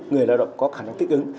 người đào tạo có khả năng thích ứng